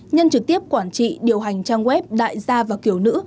nhân trực tiếp quản trị điều hành trang web đại gia và kiểu nữ